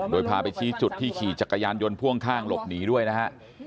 โดยพาไปชี้จุดที่ขี่จักรยานยนต์พ่วงข้างหลบหนีด้วยนะฮะ